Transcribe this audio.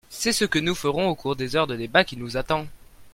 C’est ce que nous ferons au cours des heures de débat qui nous attendent.